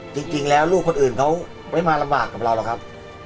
จริงแล้วลูกคนอื่นเขาไม่มาลำบากกับเราหรอกครับ